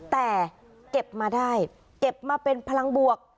แต่เก็บมาได้เก็บมาเป็นพลังบวก